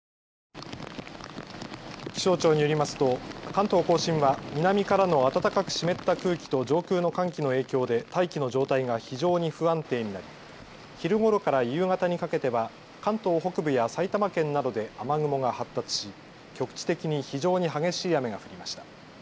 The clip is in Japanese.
気象庁によりますと関東甲信は南からの暖かく湿った空気と上空の寒気の影響で大気の状態が非常に不安定になり昼ごろから夕方にかけては関東北部や埼玉県などで雨雲が発達し局地的に非常に激しい雨が降りました。